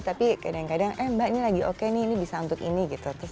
tapi kadang kadang eh mbak ini lagi oke nih ini bisa untuk ini gitu